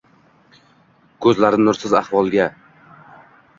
koʼzlari nursiz avlodga